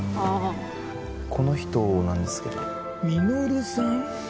ああこの人なんですけど実さん？